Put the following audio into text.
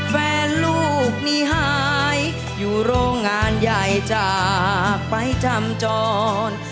แฟนลูกนี้หายอยู่โรงงานใหญ่จากไปจำจร